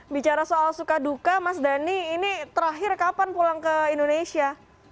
bicara soal suka duka mas dhani ini terakhir kapan pulang ke indonesia